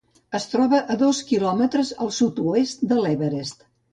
Es troba a dos quilòmetres al sud-oest de l'Everest.